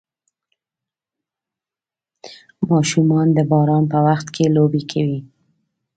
ماشومان د باران په وخت کې لوبې کوي.